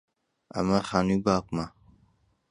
ئەمە خانووی باوکمە.